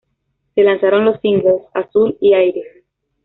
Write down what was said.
Se lanzaron los singles ""Azul"" y ""Aire"".